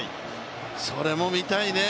それも見たいね。